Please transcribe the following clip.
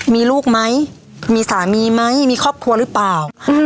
มีลูกไหมมีสามีไหมมีครอบครัวหรือเปล่า